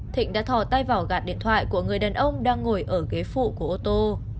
thịnh đã thỏ tay vào gạt điện thoại của người đàn ông đang ngồi ở ghế phụ của ô tô